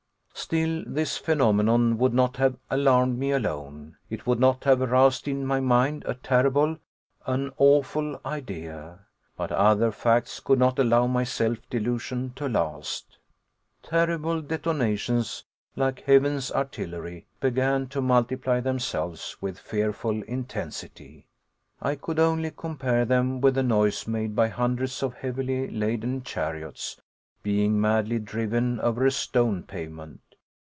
Still this phenomenon would not have alarmed me alone; it would not have aroused in my mind a terrible, an awful idea. But other facts could not allow my self delusion to last. Terrible detonations, like Heaven's artillery, began to multiply themselves with fearful intensity. I could only compare them with the noise made by hundreds of heavily laden chariots being madly driven over a stone pavement.